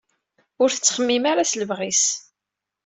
Ur t-texdim ara s lebɣi-s.